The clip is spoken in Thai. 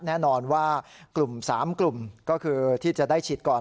แน่นอนว่ากลุ่ม๓กลุ่มก็คือที่จะได้ฉีดก่อน